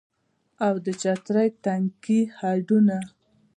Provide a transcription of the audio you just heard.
او د چترۍ تنکي هډونه